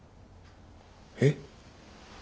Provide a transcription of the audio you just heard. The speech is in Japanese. えっ？